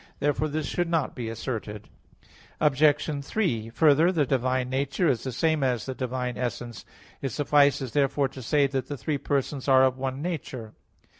Therefore this should not be asserted. Obj. 3: Further, the divine nature is the same as the divine essence. It suffices therefore to say that the three persons are of one nature.